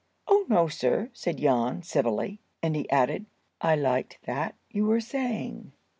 "Oh, no, sir," said Jan, civilly; and he added, "I liked that you were saying."